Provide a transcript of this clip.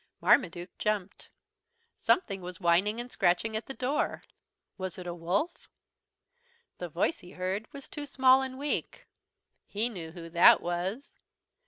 Marmaduke jumped. Something was whining and scratching at the door. Was it a wolf? The voice he heard was too small and weak. He knew who that was.